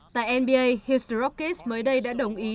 tại nba houston rockets mới đây đã đồng ý